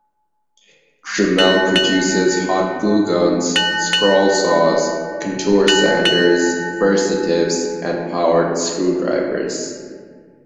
Dremel produces hot glue guns, scroll saws, contour sanders, versatips, and powered screwdrivers.